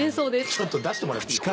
ちょっと出してもらっていい？